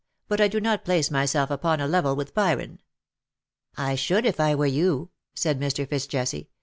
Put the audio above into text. But I do not place myself upon a level with Byron. ^'" I should if I were you/' said Mr. Fitz Jesse.